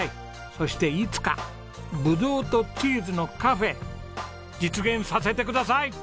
そしていつかぶどうとチーズのカフェ実現させてください。